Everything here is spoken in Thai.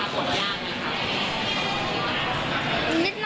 เรื่องที่สามค่ะ